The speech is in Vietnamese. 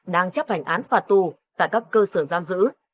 đang chấp hành án phạt tù tại các cơ sở giam giữ